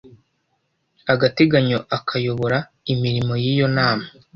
agateganyo akayobora imirimo yiyo nama